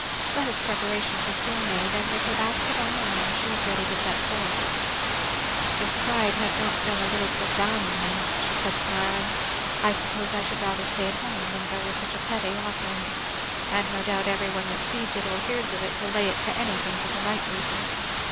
Fleda's preparations were soon made, and with her basket on her arm she was ready to set forth. "If pride had not been a little put down in me," she said smiling, "I suppose I should rather stay at home than go with such a petty offering. And no doubt every one that sees it or hears of it will lay it to anything but the right reason.